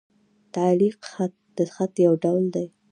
تعلیق خط؛ د خط یو ډول دﺉ.